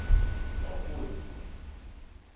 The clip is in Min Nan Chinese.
杜蚓